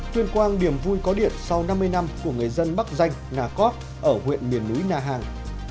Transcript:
tuyên quang điểm vui có điện sau năm mươi năm của người dân bắc danh nà cóp ở huyện miền núi na hàng